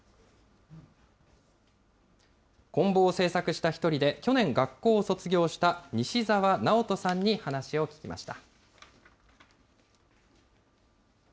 こん棒を製作した１人で、去年、学校を卒業した西澤直斗さんに話を聞きました。